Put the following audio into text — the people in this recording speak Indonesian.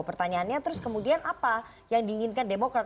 pertanyaannya terus kemudian apa yang diinginkan demokrat